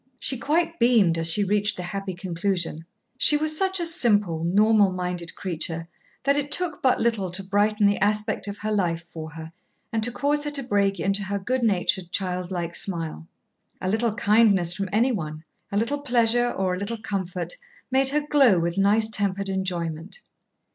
She quite beamed as she reached the happy conclusion. She was such a simple, normal minded creature that it took but little to brighten the aspect of life for her and to cause her to break into her good natured, childlike smile. A little kindness from any one, a little pleasure or a little comfort, made her glow with nice tempered enjoyment.